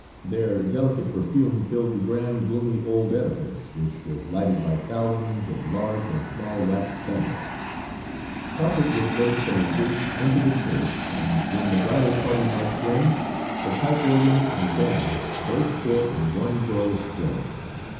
Their delicate perfume filled the grand, gloomy old edifice, which was lighted by thousands of large and small wax candles. Carpet was laid from the gate into the church, and when the bridal party marched in, the pipe organ and band burst forth in one joyous strain.